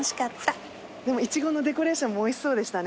いちごのデコレーションもおいしそうでしたね。